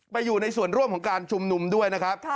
อยู่ในส่วนร่วมของการชุมนุมด้วยนะครับ